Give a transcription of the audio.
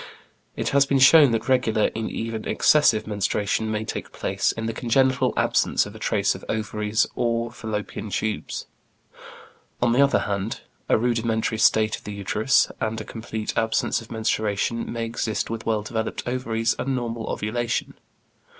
It has been shown that regular and even excessive menstruation may take place in the congenital absence of a trace of ovaries or Fallopian tubes. On the other hand, a rudimentary state of the uterus, and a complete absence of menstruation, may exist with well developed ovaries and normal ovulation.